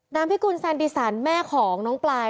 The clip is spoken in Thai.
น้ำพี่กุญแสนดีสรรแม่ของน้องปลาย